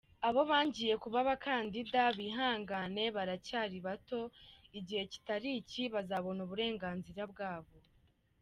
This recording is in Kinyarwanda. Abo bangiye kuba abakandida bihangane baracyari bato, igihe kitari iki bazabona uburenganzira bwabo.